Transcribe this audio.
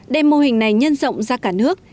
đem mô hình này nhân rộng ra cả nước